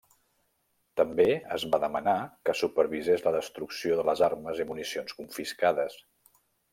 També es va demanar que supervisés la destrucció de les armes i municions confiscades.